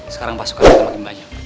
sekarang pasukan kita makin banyak